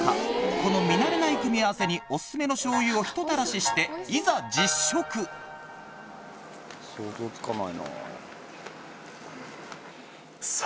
この見慣れない組み合わせにオススメの醤油をひと垂らししていざ実食想像つかないな。